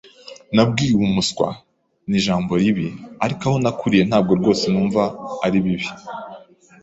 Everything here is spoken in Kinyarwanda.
Nabwiwe "umuswa" ni ijambo ribi, ariko aho nakuriye ntabwo rwose numva ari bibi.